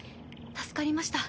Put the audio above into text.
助かりました。